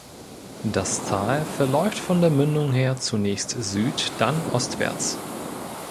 Das Tal verläuft von der Mündung her zunächst süd-, dann ostwärts.